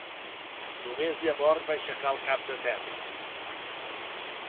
Només llavors va aixecar el cap de terra.